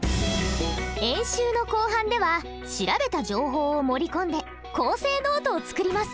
演習の後半では調べた情報を盛り込んで構成ノートを作ります。